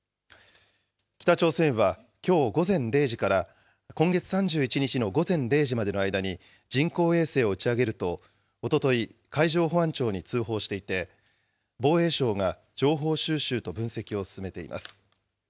北朝鮮はきょう午前０時から、今月３１日の午前０時までの間に人工衛星を打ち上げるとおととい、海上保安庁に通報していて、防衛省が情報収集と分析を進めています。